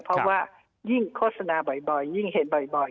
เพราะว่ายิ่งโฆษณาบ่อยยิ่งเห็นบ่อย